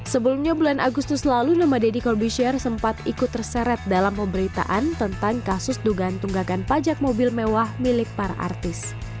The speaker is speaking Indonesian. sebelumnya bulan agustus lalu nama deddy kobusyar sempat ikut terseret dalam pemberitaan tentang kasus dugaan tunggakan pajak mobil mewah milik para artis